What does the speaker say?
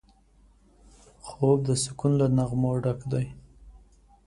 خوب د سکون له نغمو ډک دی